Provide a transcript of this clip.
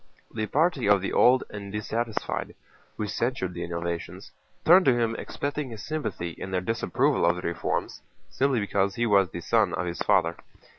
The party of the old and dissatisfied, who censured the innovations, turned to him expecting his sympathy in their disapproval of the reforms, simply because he was the son of his father.